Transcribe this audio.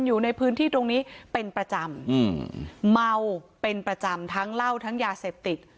อยู่ในพื้นที่ตรงนี้เป็นประจำอืมเมาเป็นประจำทั้งเหล้าทั้งยาเสพติด